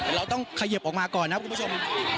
แต่เราต้องเขยิบออกมาก่อนนะครับคุณผู้ชม